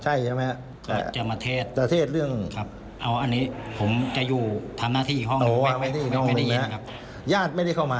ใช่ใช่มั้ยครับ